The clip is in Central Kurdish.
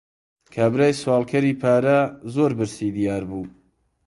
کابرای سواڵکەری پارە، زۆر برسی دیار بوو.